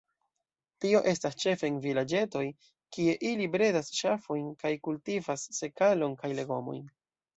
Tio estas ĉefe en vilaĝetoj, kie ili bredas ŝafojn kaj kultivas sekalon kaj legomojn.